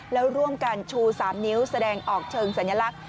แล้วร่วมกันชู๓นิ้วแสดงออกเชิงสัญลักษณ